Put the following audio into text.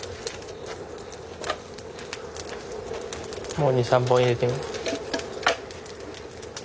もう２３本入れてみ。